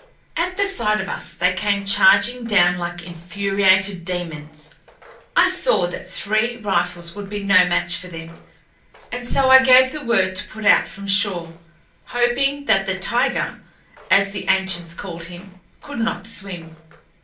At the sight of us, they came charging down like infuriated demons. I saw that three rifles would be no match for them, and so I gave the word to put out from shore, hoping that the "tiger," as the ancients called him, could not swim.